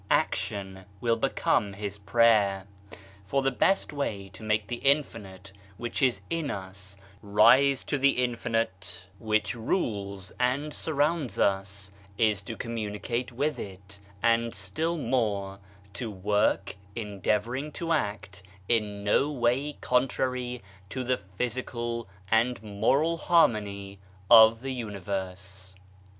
Action will become his prayer ; for the best way to make the infinite which is 154 BAHAISM in us rise to the Infinite which rules and surrounds us, is to communicate with it, and still more to work, endeavouring to act in no way contrary to the physical and moral harmony of the universe.